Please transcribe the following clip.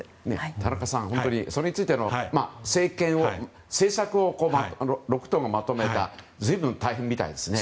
田中さんそれについての政策を６党がまとめたのは随分と大変みたいですね。